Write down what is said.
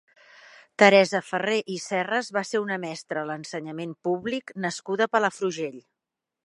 Teresa Ferrer i Serras va ser una mestra a l'ensenyament públic nascuda a Palafrugell.